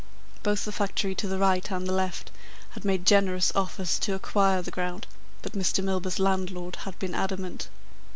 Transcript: Both the factory to the right and the left had made generous offers to acquire the ground, but Mr. Milburgh's landlord had been adamant.